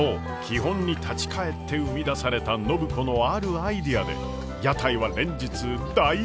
基本に立ち返って生み出された暢子のあるアイデアで屋台は連日大盛況！